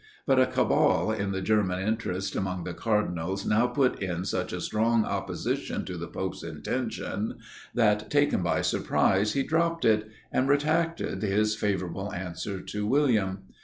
But a cabal in the German interest among the cardinals now put in such a strong opposition to the pope's intention, that, taken by surprise, he dropped it, and retracted his favourable answer to William.